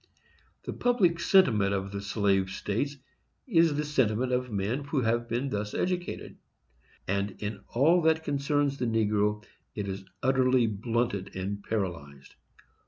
The public sentiment of the slave states is the sentiment of men who have been thus educated, and in all that concerns the negro it is utterly blunted and paralyzed.